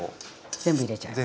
全部入れちゃいます。